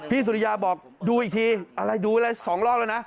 สุริยาบอกดูอีกทีอะไรดูอะไร๒รอบแล้วนะ